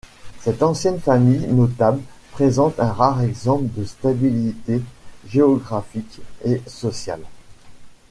Cette ancienne famille notable présente un rare exemple de stabilité géographique et sociale.